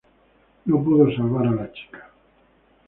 No pudo salvar a la chica.